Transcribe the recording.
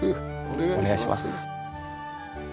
お願いします。